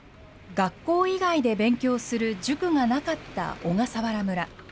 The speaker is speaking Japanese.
学校以外で勉強する塾がなかった小笠原村。